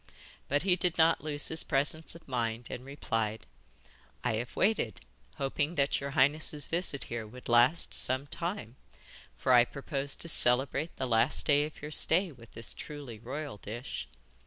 But he did not lose his presence of mind, and replied: 'I have waited, hoping that your highness' visit here would last some time, for I proposed to celebrate the last day of your stay with this truly royal dish.